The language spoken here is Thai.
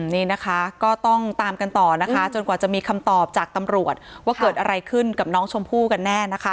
นี่นะคะก็ต้องตามกันต่อนะคะจนกว่าจะมีคำตอบจากตำรวจว่าเกิดอะไรขึ้นกับน้องชมพู่กันแน่นะคะ